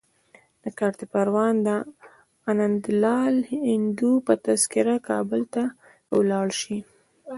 د کارته پروان د انندلال هندو په تذکره کابل ته ولاړ شي.